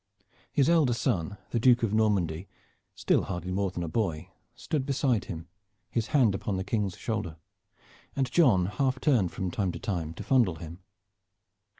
His elder son, the Duke of Normandy, still hardly more than a boy, stood beside him, his hand upon the King's shoulder, and John half turned from time to time to fondle him.